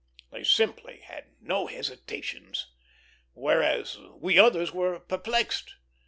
They simply had no hesitations; whereas we others were perplexed.